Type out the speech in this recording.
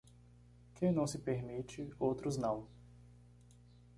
Quem não se permite, outros não.